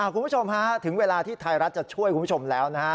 คุณผู้ชมฮะถึงเวลาที่ไทยรัฐจะช่วยคุณผู้ชมแล้วนะฮะ